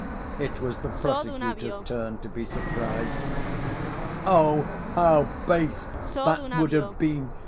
It was the prosecutor's turn to be surprised. "Oh, how base that would have been!